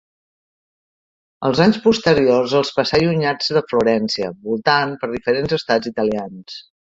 Els anys posteriors els passà allunyats de Florència, voltant per diferents estats italians.